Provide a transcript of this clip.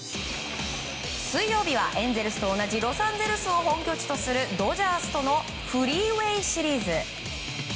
水曜日はエンゼルスと同じロサンゼルスを本拠地とするドジャースとのフリーウェイ・シリーズ。